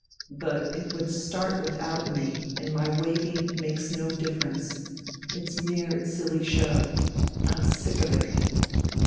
But it would start without me, and my waving makes no difference, it's mere silly show. I'm sick of it...."